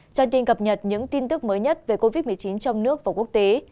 trang tin cập nhật những tin tức mới nhất về covid một mươi chín trong nước và quốc tế